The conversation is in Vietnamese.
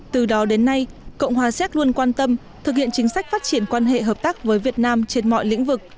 từ đó đến nay cộng hòa xéc luôn quan tâm thực hiện chính sách phát triển quan hệ hợp tác với việt nam trên mọi lĩnh vực